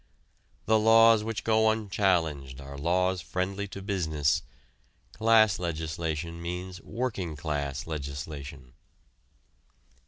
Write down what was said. The laws which go unchallenged are laws friendly to business; class legislation means working class legislation.